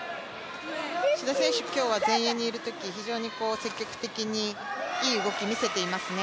志田選手、今日は前衛にいるときには、非常に積極的にいい動きをしていますね。